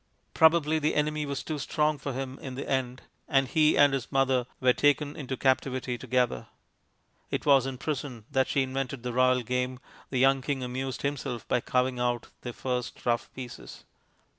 Probably the enemy was too strong for him in the end, and he and his mother were taken into captivity together. It was in prison that she invented the royal game, the young king amused himself by carving out the first rough pieces.